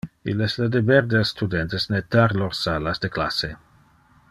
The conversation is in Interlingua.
Il es le deber del studentes nettar lor salas de classe.